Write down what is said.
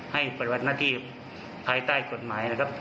ให้ปฎิวัตินาที่ภายใต้กฎหมายนะครับ